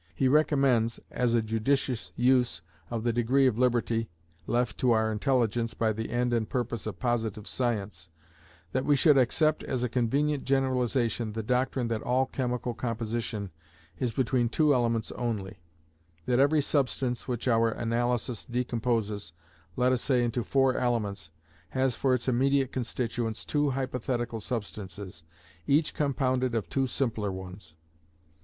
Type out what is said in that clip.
He recommends, as a judicious use of "the degree of liberty left to our intelligence by the end and purpose of positive science," that we should accept as a convenient generalization the doctrine that all chemical composition is between two elements only; that every substance which our analysis decomposes, let us say into four elements, has for its immediate constituents two hypothetical substances, each compounded of two simpler ones.